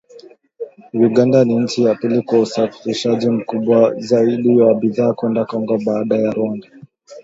Uganda ni nchi ya pili kwa usafirishaji mkubwa zaidi wa bidhaa kwenda Kongo baada ya Rwanda